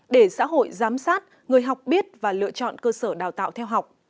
để xã hội giám sát người học biết và lựa chọn cơ sở đào tạo theo học